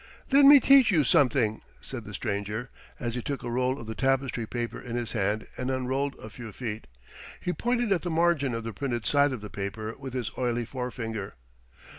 "Let me teach youse something," said the stranger, and he took a roll of the tapestry paper in his hand and unrolled a few feet. He pointed to the margin of the printed side of the paper with his oily forefinger.